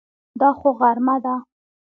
دا خو غرمه ده!